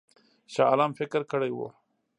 شاه عالم فکر کړی وو.